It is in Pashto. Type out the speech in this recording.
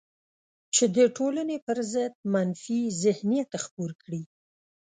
چې د ټولنې پر ضد منفي ذهنیت خپور کړي